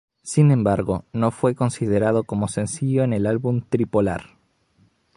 Sin embargo no fue considerada como sencillo en el álbum Tri-Polar.